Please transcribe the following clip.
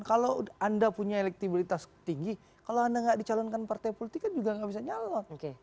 kalau anda punya elektabilitas tinggi kalau anda nggak dicalonkan partai politik kan juga nggak bisa nyalon